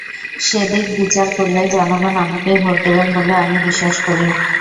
সেদিক বিচার করলে জনগণ আমাকেই ভোট দেবেন বলে আমি বিশ্বাস করি।